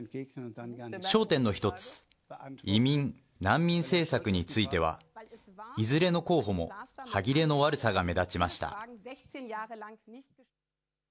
焦点の一つ、移民・難民政策については、いずれの候補も歯切れの悪さが目立ちました。